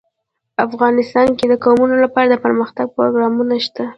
افغانستان کې د قومونه لپاره دپرمختیا پروګرامونه شته.